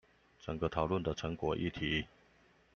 整個討論的成果丶議題